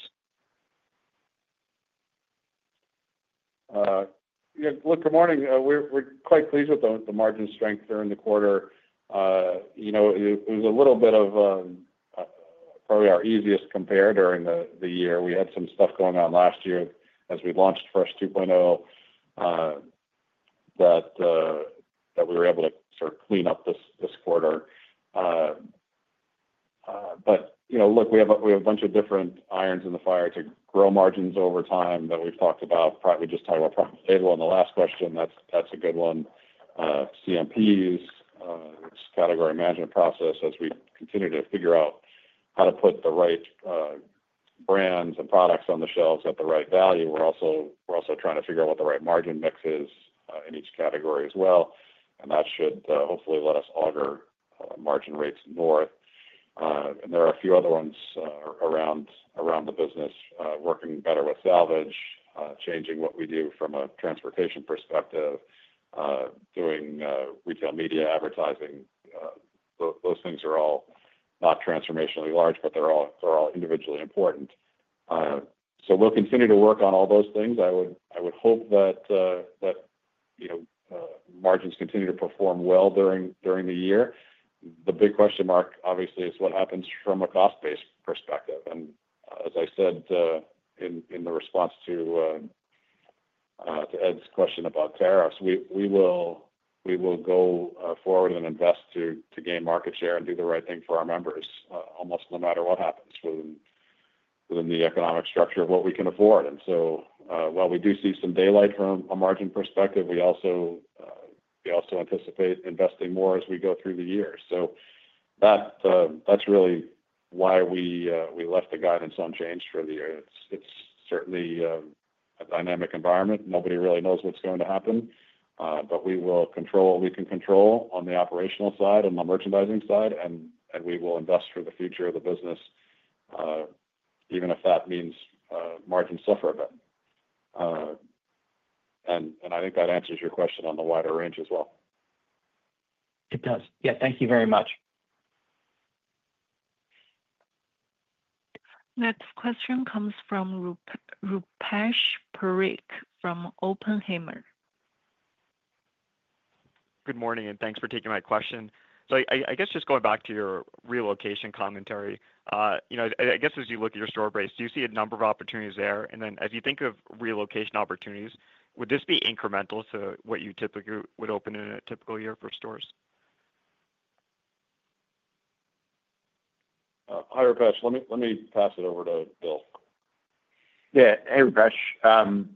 C: Look, good morning. We are quite pleased with the margin strength during the quarter. It was a little bit of probably our easiest comparator in the year. We had some stuff going on last year as we launched Fresh 2.0 that we were able to sort of clean up this quarter. Look, we have a bunch of different irons in the fire to grow margins over time that we've talked about. We just talked about private label on the last question. That's a good one. CMPs, category management process, as we continue to figure out how to put the right brands and products on the shelves at the right value. We're also trying to figure out what the right margin mix is in each category as well. That should hopefully let us auger margin rates north. There are a few other ones around the business, working better with salvage, changing what we do from a transportation perspective, doing retail media advertising. Those things are all not transformationally large, but they're all individually important. We'll continue to work on all those things. I would hope that margins continue to perform well during the year. The big question mark, obviously, is what happens from a cost-based perspective. As I said in the response to Ed's question about tariffs, we will go forward and invest to gain market share and do the right thing for our members, almost no matter what happens within the economic structure of what we can afford. While we do see some daylight from a margin perspective, we also anticipate investing more as we go through the year. That is really why we left the guidance unchanged for the year. It is certainly a dynamic environment. Nobody really knows what is going to happen. We will control what we can control on the operational side and the merchandising side. We will invest for the future of the business, even if that means margins suffer a bit. I think that answers your question on the wider range as well.
N: It does. Yeah. Thank you very much.
A: Next question comes from Rupesh Parikh from Oppenheimer.
O: Good morning. And thanks for taking my question. I guess just going back to your relocation commentary, I guess as you look at your store breaks, do you see a number of opportunities there? And then as you think of relocation opportunities, would this be incremental to what you typically would open in a typical year for stores?
C: Hi Rupesh. Let me pass it over to Bill.
F: Yeah. Hey, Rupesh.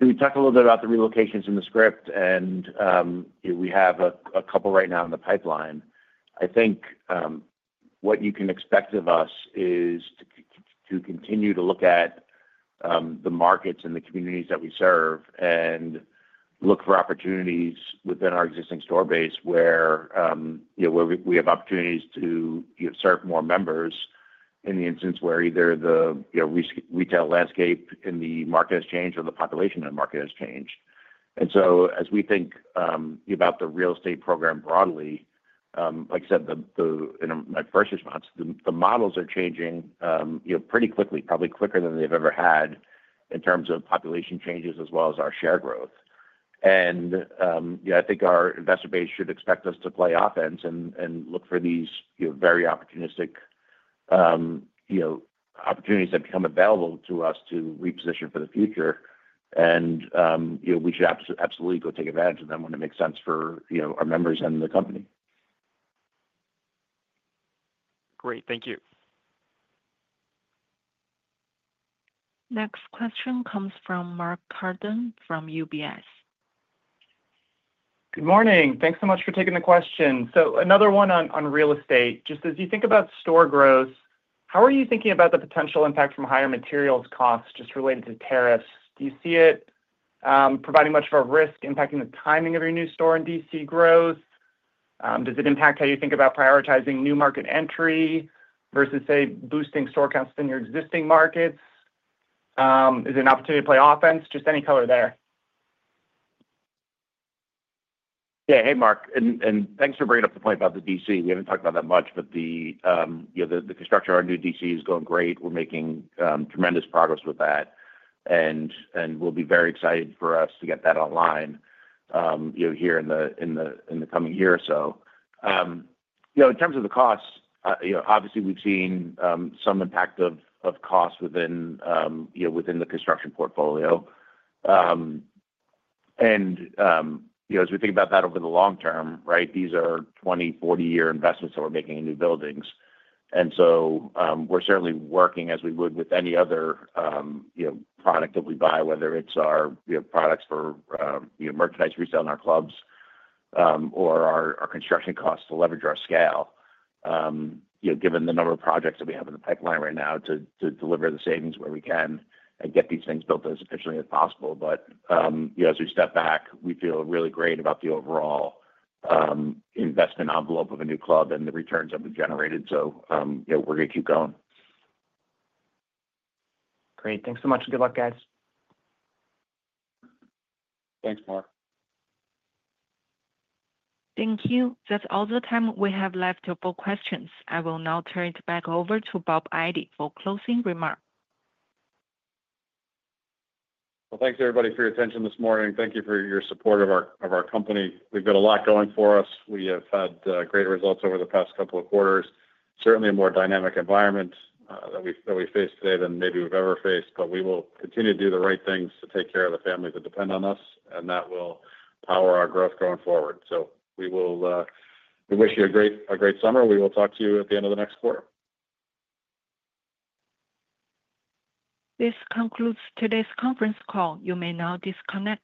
F: We talked a little bit about the relocations in the script. And we have a couple right now in the pipeline. I think what you can expect of us is to continue to look at the markets and the communities that we serve and look for opportunities within our existing store base where we have opportunities to serve more members in the instance where either the retail landscape in the market has changed or the population in the market has changed. As we think about the real estate program broadly, like I said, in my first response, the models are changing pretty quickly, probably quicker than they've ever had in terms of population changes as well as our share growth. I think our investor base should expect us to play offense and look for these very opportunistic opportunities that become available to us to reposition for the future. We should absolutely go take advantage of them when it makes sense for our members and the company.
O: Great. Thank you.
A: Next question comes from Mark Carden from UBS.
P: Good morning. Thanks so much for taking the question. So another one on real estate. Just as you think about store growth, how are you thinking about the potential impact from higher materials costs just related to tariffs? Do you see it providing much of a risk impacting the timing of your new store in DC growth? Does it impact how you think about prioritizing new market entry versus, say, boosting store counts in your existing markets? Is it an opportunity to play offense? Just any color there.
C: Yeah. Hey, Mark. And thanks for bringing up the point about the DC. We have not talked about that much, but the construction of our new DC is going great. We are making tremendous progress with that. We'll be very excited for us to get that online here in the coming year or so. In terms of the costs, obviously, we've seen some impact of cost within the construction portfolio. As we think about that over the long term, right, these are 20, 40 year investments that we're making in new buildings. We're certainly working as we would with any other product that we buy, whether it's our products for merchandise resale in our clubs or our construction costs, to leverage our scale, given the number of projects that we have in the pipeline right now to deliver the savings where we can and get these things built as efficiently as possible. As we step back, we feel really great about the overall investment envelope of a new club and the returns that we've generated. We're going to keep going.
P: Great. Thanks so much. Good luck, guys.
C: Thanks, Mark.
A: Thank you. That is all the time we have left for questions. I will now turn it back over to Bob Eddy for closing remarks.
C: Thanks, everybody, for your attention this morning. Thank you for your support of our company. We have got a lot going for us. We have had great results over the past couple of quarters. Certainly, a more dynamic environment that we face today than maybe we have ever faced. We will continue to do the right things to take care of the families that depend on us. That will power our growth going forward. We wish you a great summer. We will talk to you at the end of the next quarter.
A: This concludes today's conference call. You may now disconnect.